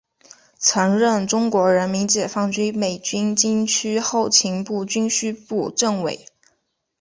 曾任中国人民解放军北京军区后勤部军需部政委。